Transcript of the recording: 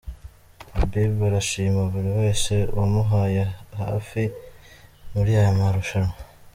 Habiba arashima buri wese wamuhaye hafi muri aya marushanwa.